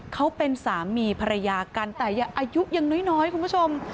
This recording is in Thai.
เขาเป็นสามีภรรยากันแต่ยังอายุยังน้อยคุณผู้ชม